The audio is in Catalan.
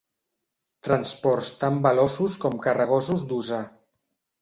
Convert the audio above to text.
Transports tan veloços com carregosos d'usar.